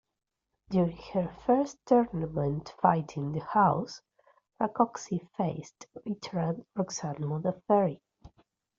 During her first tournament fight in the house, Rakoczy faced veteran Roxanne Modafferi.